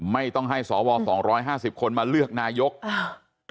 ไม่ต้องให้สวสองร้อยห้าสิบคนมาเลือกนายกอ่า